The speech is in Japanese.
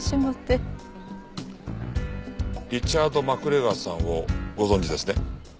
リチャード・マクレガーさんをご存じですね？